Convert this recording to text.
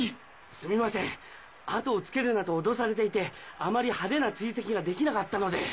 すみません後をつけるなと脅されていてあまり派手な追跡ができなかったので。